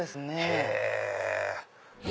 へぇ！